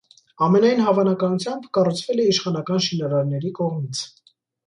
Ամենայն հավանականությամբ կառուցվել է իշխանական շինարարների կողմից։